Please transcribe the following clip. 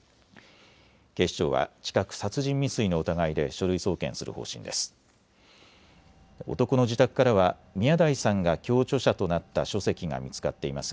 警視庁は近く殺人未遂の疑いで書類送検する方針です。